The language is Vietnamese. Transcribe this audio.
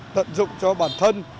tận dụng cho bản thân